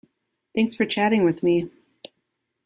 Thanks for chatting with me.